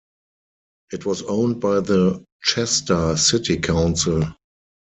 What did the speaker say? It was owned by the Chester City Council.